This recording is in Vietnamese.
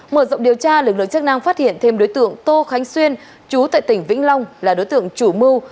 mở rộng điều tra lực lượng chức năng phát hiện thêm đối tượng tô khánh xuyên chú tại tỉnh vĩnh long là đối tượng chủ mưu